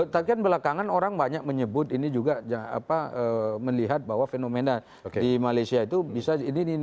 tapi kan belakangan orang banyak menyebut ini juga melihat bahwa fenomena di malaysia itu bisa ini